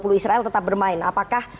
u dua puluh israel tetap bermain apakah